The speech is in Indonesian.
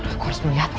aku harus melihatnya